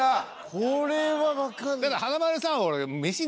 これはわかんない。